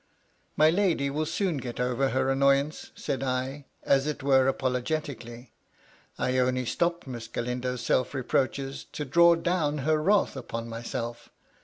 " My lady wiU soon get over her annoyance," said I, as it were apologetically. I only stopped Miss Galindo's self reproaches to draw down her wrath upon myself.